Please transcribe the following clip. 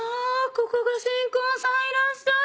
「ここが新婚さんいらっしゃい！